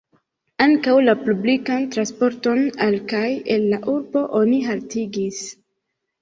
Ankaŭ la publikan transporton al kaj el la urbo oni haltigis.